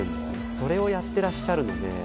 それをやっていらっしゃるので。